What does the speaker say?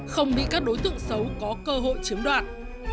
không bị các đối tượng xấu có cơ hội chiếm đoạt